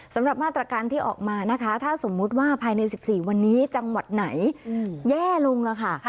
สำหรับมาตรการที่ออกมานะคะถ้าสมมุติว่าภายใน๑๔วันนี้จังหวัดไหนแย่ลงค่ะ